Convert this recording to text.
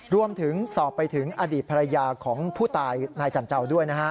รวมถึงสอบไปถึงอดีตภรรยาของผู้ตายนายจันเจ้าด้วยนะฮะ